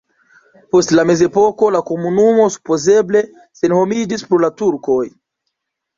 Post la mezepoko la komunumo supozeble senhomiĝis pro la turkoj.